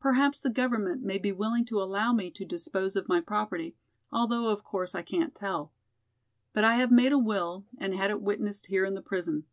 Perhaps the government may be willing to allow me to dispose of my property, although of course I can't tell. But I have made a will and had it witnessed here in the prison.